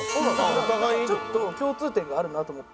ちょっと共通点があるなと思って。